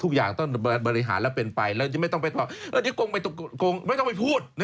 ทุกอย่างต้องบริหารแล้วเป็นไปเราไม่ต้องไปพูด